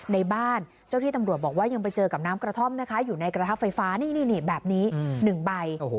ในบ้านเจ้าที่ตำรวจบอกว่ายังไปเจอกับน้ำกระท่อมนะคะอยู่ในกระทะไฟฟ้านี่แบบนี้๑ใบ